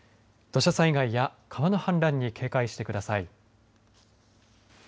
土砂災害や川の氾濫に警戒してください。